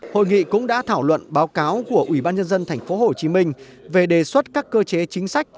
hội nghị cũng đã thảo luận báo cáo của ủy ban nhân dân tp hcm về đề xuất các cơ chế chính sách